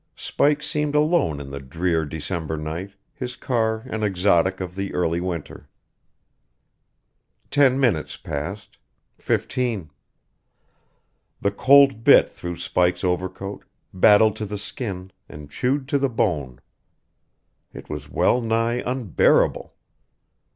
Spike seemed alone in the drear December night, his car an exotic of the early winter. Ten minutes passed fifteen. The cold bit through Spike's overcoat, battled to the skin, and chewed to the bone. It was well nigh unbearable.